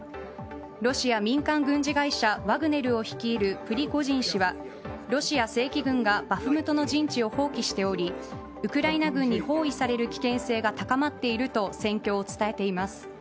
ロシア民間軍事会社ワグネルを率いるプリゴジン氏はロシア正規軍がバフムトの陣地を放棄しておりウクライナ軍に包囲される危険性が高まっていると戦況を伝えています。